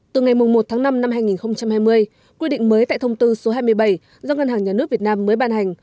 từ ngày một tháng năm năm hai nghìn hai mươi quy định mới tại thông tư số hai mươi bảy do ngân hàng nhà nước việt nam mới ban hành